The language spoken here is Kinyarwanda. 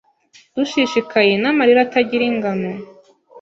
dushishikaye n’amarira atagira ingano